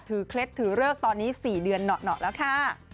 เคล็ดถือเลิกตอนนี้๔เดือนเหนาะแล้วค่ะ